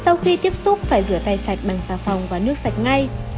sau khi tiếp xúc phải rửa tay sạch bằng xà phòng và nước sạch ngay